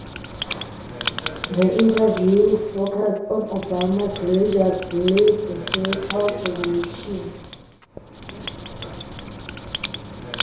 The interview focused on Obama's religious beliefs and spiritual predilections.